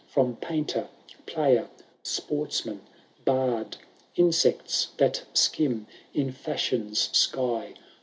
From painter, player, sportsman, bard. Insects that skim in Fashion^s sky.